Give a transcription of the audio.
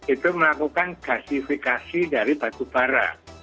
itu melakukan gasifikasi dari batubara